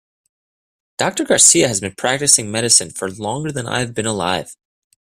Doctor Garcia has been practicing medicine for longer than I have been alive.